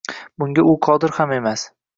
bunga u qodir ham emas.